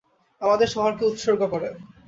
আমাদের শহরকে উৎসর্গ করে।